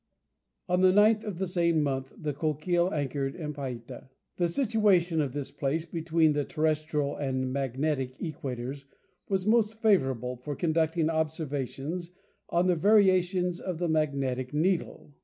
On the 9th of the same month the Coquille anchored at Payta. The situation of this place between the terrestrial and magnetic equators was most favourable for conducting observations on the variations of the magnetic needle.